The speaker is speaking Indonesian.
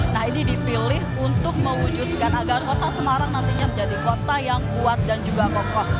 nah ini dipilih untuk mewujudkan agar kota semarang nantinya menjadi kota yang kuat dan juga kokoh